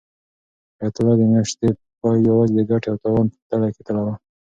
حیات الله د میاشتې پای یوازې د ګټې او تاوان په تله کې تلاوه.